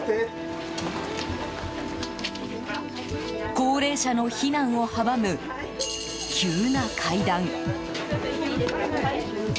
高齢者の避難を阻む急な階段。